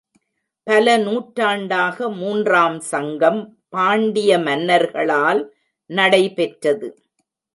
பல நூற்றாண்டாக மூன்றாம் சங்கம் பாண்டிய மன்னர்களால் நடைபெற்றது.